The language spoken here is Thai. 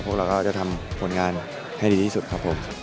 พวกเราก็จะทำผลงานให้ดีที่สุดครับผม